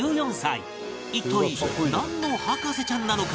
一体なんの博士ちゃんなのか？